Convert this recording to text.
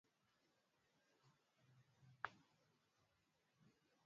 Huo ulikuwa ni mfano wa imani yake katika masuala ya diplomasia